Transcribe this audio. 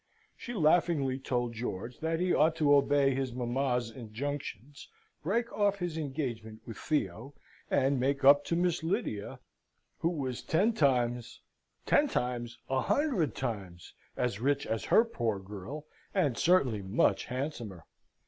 She laughingly told George that he ought to obey his mamma's injunctions, break off his engagement with Theo, and make up to Miss Lydia, who was ten times ten times! a hundred times as rich as her poor girl, and certainly much handsomer.